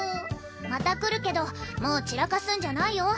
また来るけどもう散らかすんじゃないよ。